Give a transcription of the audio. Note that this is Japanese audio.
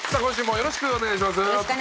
よろしくお願いします。